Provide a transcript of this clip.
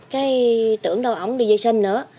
cái tưởng đâu ổng đi dây sinh nữa